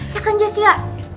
ya kan jasya